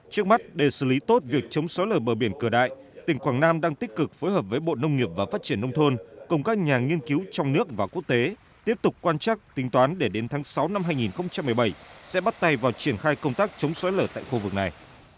trước mắt để xử lý tốt việc chống xóa lở bờ biển cửa đại tỉnh quảng nam đang tích cực phối hợp với bộ nông nghiệp và phát triển nông thôn cùng các nhà nghiên cứu trong nước và quốc tế tiếp tục quan chắc tính toán để đến tháng sáu năm hai nghìn một mươi bảy sẽ bắt tay vào triển khai công tác chống xói lở tại khu vực này